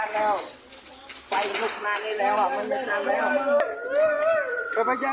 ไยมาหลบก่อนไย